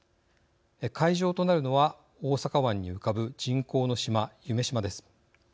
会場となるのは大阪湾に浮かぶ人口の島・夢洲です。